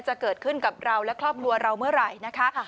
จะเกิดขึ้นกับเราและครอบครัวเราเมื่อไหร่นะคะ